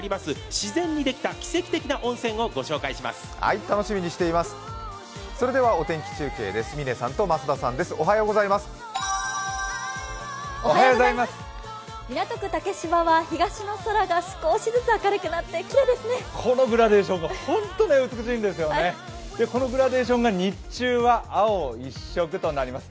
自然でできた奇跡的な温泉にお邪魔します。